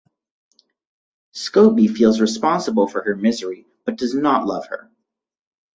Scobie feels responsible for her misery, but does not love her.